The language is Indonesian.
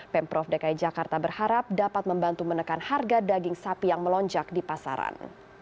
pemprov dki jakarta berharap dapat membantu menekan harga daging sapi yang melonjak di pasaran